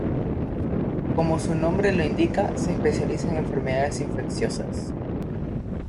Como su nombre lo indica, se especializa en enfermedades infecciosas.